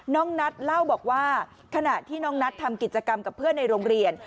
น้องนัทเล่าบอกว่าขณะที่น้องนัททำกิจกรรมกับเพื่อนในโรงเรียน